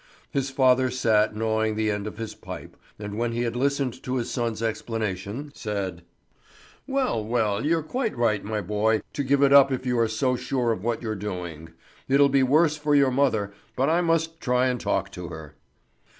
His father sat gnawing the end of his pipe, and when he had listened to his son's explanation, said: "Well, well, you're quite right, my boy, to give it up if you are so sure of what you're doing. It'll be worse for your mother; but I must try and talk to her."